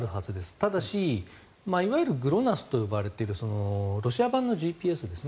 ただし、いわゆるＧＬＯＮＡＳＳといわれているロシア版のＧＰＳですね。